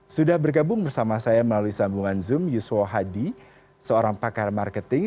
sudah bergabung bersama saya melalui sambungan zoom yuswo hadi seorang pakar marketing